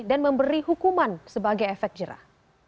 dan memberi hukuman sebagai efek jerah